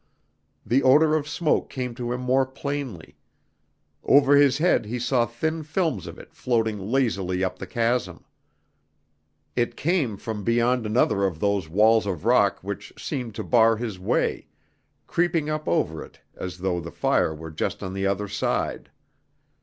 The odor of smoke came to him more plainly; over his head he saw thin films of it floating lazily up the chasm. It came from beyond another of those walls of rock which seemed to bar his way, creeping up over it as though the fire were just on the other side.